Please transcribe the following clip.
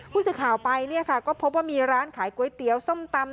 พูดสิทธิ์ข่าวไปก็พบว่ามีร้านขายก๋วยเตี๋ยวส้มตำ